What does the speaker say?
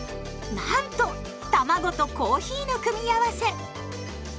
なんとたまごとコーヒーの組み合わせ！